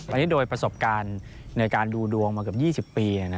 อันนี้โดยประสบการณ์ในการดูดวงมาเกือบ๒๐ปี